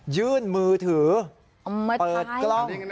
ยื่นมือถือเปิดกล้อง